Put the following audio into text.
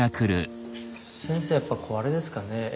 先生やっぱこうあれですかね。